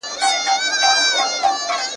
په زرګونو مي لا نور یې پوروړی ,